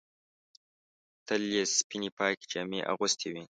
تل یې سپینې پاکې جامې اغوستې وې.